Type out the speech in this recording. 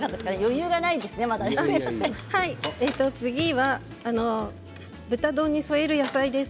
次は豚丼に添える野菜です。